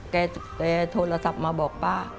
แกโทรศัพท์มาบอกป้า